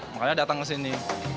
makanya datang ke sini